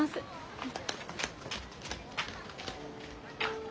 うん。